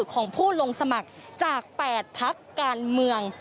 ของผู้ลงสมัครจาก๘พักการเมือง